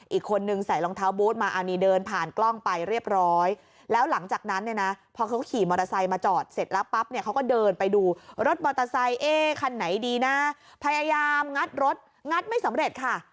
อีกคนนึงใส่รองเท้าบูธมาอันนี้เดินผ่านกล้องไปเรียบร้อยแล้วหลังจากนั้นเนี่ยนะพอเขาขี่มอเตอร์ไซค์มาจอดเสร็จแล้วปั๊บเนี่ยเขาก็เดินไปดูรถมอเตอร์ไซค์เอ๊คันไหนดีนะพยายามงัดรถงัดไม่สำเร็จค่ะ